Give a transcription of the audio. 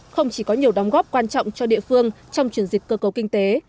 không chỉ có nhiều đóng góp quan trọng cho địa phương trong chuyển dịch cơ cấu kinh tế